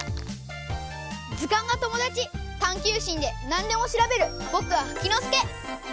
ずかんがともだちたんきゅうしんでなんでもしらべるぼくはフキノスケ！